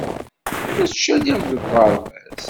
La ttcaliɣ deg uɣerbaz.